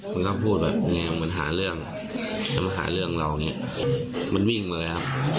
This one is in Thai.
มันก็พูดแบบยังไงมันหาเรื่องมันหาเรื่องเรานี่มันวิ่งมาเลยครับ